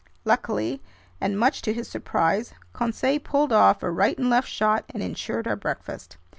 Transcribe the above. Luckily, and much to his surprise, Conseil pulled off a right and left shot and insured our breakfast.